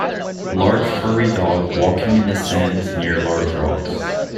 Large furry dog walking in the sand near large rocks.